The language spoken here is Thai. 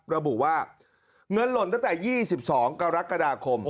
ระบุว่าเงินหล่นตั้งแต่๒๒กรกฎาคม